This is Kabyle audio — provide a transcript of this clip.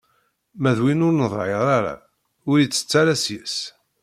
Ma d win ur neḍhir ara, ur itett ara seg-s.